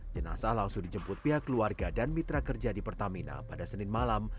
jenazah langsung dijemput pihak keluarga dan mitra kerja di pertamina pada senin malam